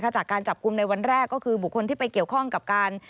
จากการจับกลุ่มในวันแรกก็คือบุคคลที่ไปเกี่ยวข้องกับการ